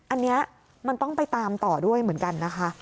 อันนี้มันต้องไปตามต่อด้วยเหมือนกันนะคะ